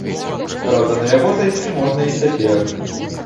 Праўда, на яго зайсці можна і цяпер.